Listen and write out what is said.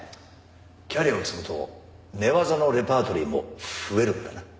キャリアを積むと寝技のレパートリーも増えるんだな。